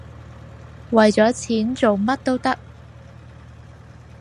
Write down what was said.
為咗錢，做乜都得